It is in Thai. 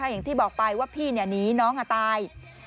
อย่างที่บอกไปว่าพี่หนีน้องตาย